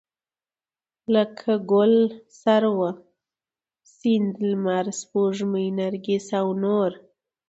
لکه ګل، سروه، سيند، لمر، سپوږمۍ، نرګس او نور